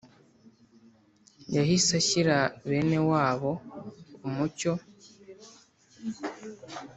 Yahise ashyira bene wabo umucyo.